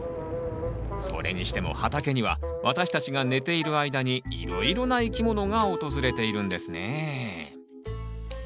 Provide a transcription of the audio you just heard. それにしても畑には私たちが寝ている間にいろいろな生き物が訪れているんですね。